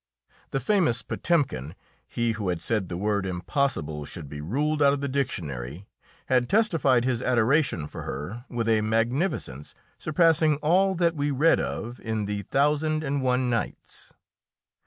The famous Potemkin he who had said the word "impossible" should be ruled out of the dictionary had testified his adoration for her with a magnificence surpassing all that we read of in the "Thousand and One Nights."